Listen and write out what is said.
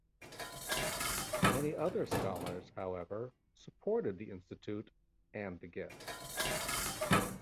Many other scholars, however, supported the institute and the gift.